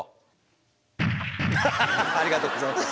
ありがとうございます。